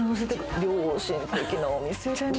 良心的なお店でね。